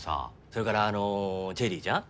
それからあのチェリーちゃん？